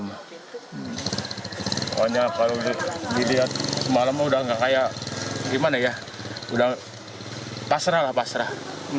pokoknya kalau dilihat semalam udah nggak kayak gimana ya udah pasrah lah pasrah